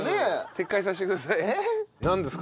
撤回させてください。